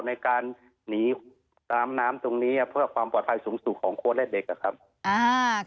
ในการหนีน้ำน้ำตรงนี้เพื่อความปลอดภัยสูงสุดของโค้ดและเด็กอะครับอ่า